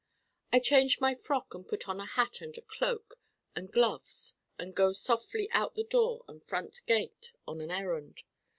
I change my frock and put on a hat and a cloak and gloves and go softly out the door and front gate on an errand.